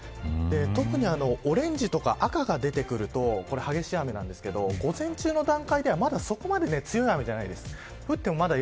特にオレンジとか赤が出てくると激しい雨ですが、午前中の段階ではまだそこまで強い雨じゃないです。